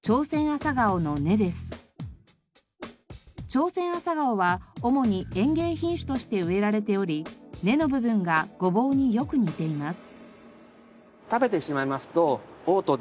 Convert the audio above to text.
チョウセンアサガオは主に園芸品種として植えられており根の部分がゴボウによく似ています。